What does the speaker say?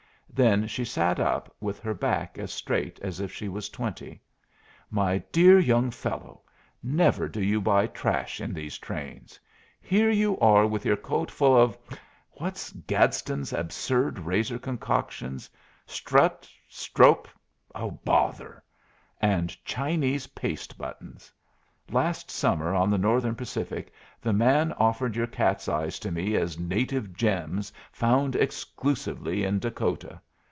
Then she sat up with her back as straight as if she was twenty. "My dear young fellow, never do you buy trash in these trains. Here you are with your coat full of what's Gadsden's absurd razor concoctions strut strop bother! And Chinese paste buttons. Last summer, on the Northern Pacific, the man offered your cat's eyes to me as native gems found exclusively in Dakota.